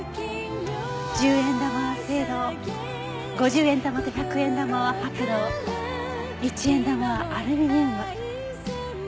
１０円玉は青銅５０円玉と１００円玉は白銅１円玉はアルミニウム。